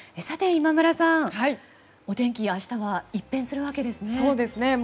さて、今村さんお天気、明日は一変する訳ですね。